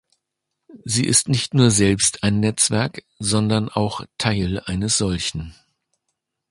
Sie ist nicht nur selbst ein Netzwerk, sondern auch Teil eines solchen.